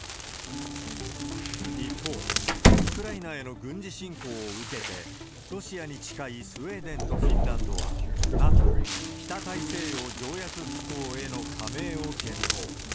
一方、ウクライナへの軍事侵攻を受けて、ロシアに近いスウェーデンとフィンランドは、ＮＡＴＯ・北大西洋条約機構への加盟を検討。